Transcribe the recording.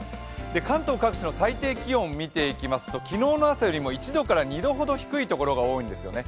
関東各地の最低気温を見ていきますと昨日の朝よりも１度から２度ほど低いところが多いんですよね。